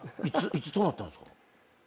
いつ止まったんですか？